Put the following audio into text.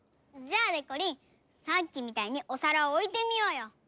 じゃあでこりんさっきみたいにおさらをおいてみようよ。